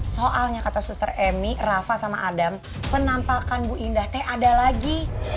soalnya kata suster emi rafa sama adam penampakan bu indah teh ada lagi